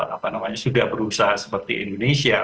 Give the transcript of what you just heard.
apa namanya sudah berusaha seperti indonesia